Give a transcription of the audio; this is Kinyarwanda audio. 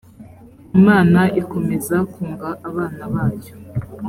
imana ikomeza kunga abana bayo.